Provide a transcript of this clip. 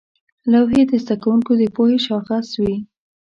لوحې د زده کوونکو د پوهې شاخص وې.